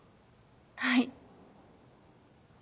はい。